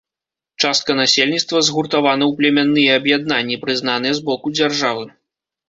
Частка насельніцтва згуртавана ў племянныя аб'яднанні, прызнаныя з боку дзяржавы.